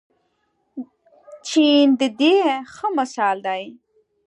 چین د دې ښه مثال دی.